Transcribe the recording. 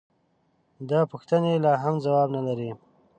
دا پوښتنې لا هم ځواب نه لري.